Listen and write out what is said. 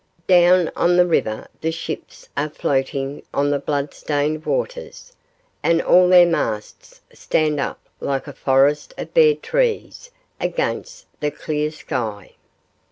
Down on the river the ships are floating on the blood stained waters, and all their masts stand up like a forest of bare trees against the clear sky.